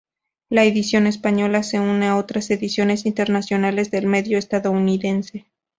La edición española se une a otras ediciones internacionales del medio estadounidense.